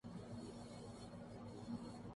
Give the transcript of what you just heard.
ہی لیکن کئی مسئلے ہم نے ویسے ہی پیدا کر لئے ہیں۔